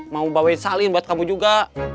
mau bawain salim buat kamu juga